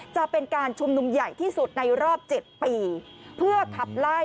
จะเป็นการชุมนุมใหญ่ที่สุดในรอบ๗ปีเพื่อขับไล่